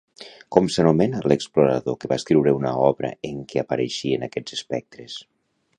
Com s'anomena l'explorador que va escriure una obra en què apareixen aquests espectres?